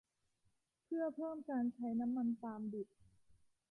เพื่อเพิ่มการใช้น้ำมันปาล์มดิบ